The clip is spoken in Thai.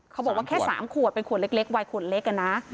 เขาบอกว่าแค่๓ขวดเป็นขวดเล็ก